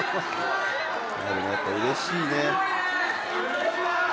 でもやっぱうれしいね。